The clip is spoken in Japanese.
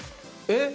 えっ！